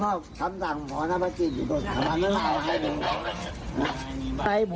เขาทำต่างหมอหน้าพระจิตอยู่ตรงน้ำหน้าพระจิต